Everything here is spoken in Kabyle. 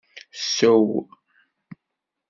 Ssew.